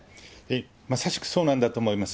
まさしくそうなんだと思います。